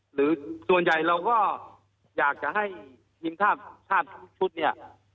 หรือส่วนใหญ่เราก็อยากจะให้ทีมชาติทุกชุดเนี่ย